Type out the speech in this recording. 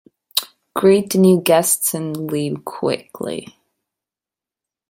Greet the new guests and leave quickly.